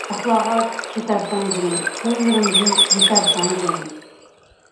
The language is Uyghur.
يىراقلارغا كېتەرسەن جېنىم، كۆزلىرىمدىن يىتەرسەن جېنىم.